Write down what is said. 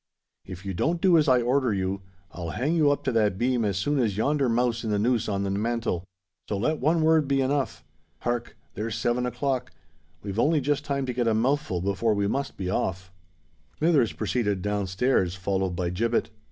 If you don't do as I order you, I'll hang you up to that beam as soon as yonder mouse in the noose on the mantel. So let one word be enough. Hark! there's seven o'clock: we've only just time to get a mouthful before we must be off." Smithers proceeded down stairs, followed by Gibbet.